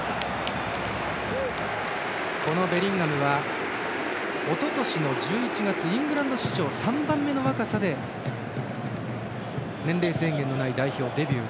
ベリンガムはおととしの１１月イングランド史上３番目の若さで年齢制限のない代表デビュー